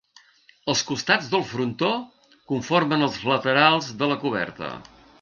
Els costats del frontó conformen els laterals de la coberta.